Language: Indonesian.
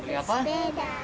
uang pelis peda